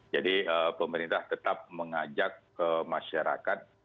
jadi pemerintah tetap mengajak ke masyarakat